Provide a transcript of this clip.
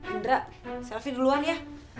indra selfie duluan ya